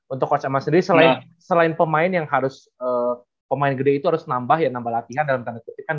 untuk coach emas sendiri selain pemain yang harus pemain gede itu harus nambah ya nambah latihan dalam tanda kutip kan